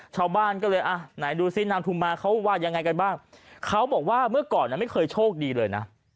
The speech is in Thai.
ชาวบ้านก็เลยอ่ะไหนดูซินางทุมมาเขาว่ายังไงกันบ้างเขาบอกว่าเมื่อก่อนไม่เคยโชคดีเลยนะ